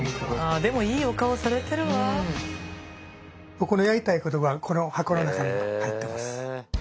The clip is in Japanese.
僕のやりたいことはこの箱の中に入ってます。